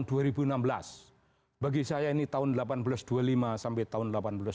bagi saya ini tahun seribu delapan ratus dua puluh lima sampai tahun seribu delapan ratus sembilan puluh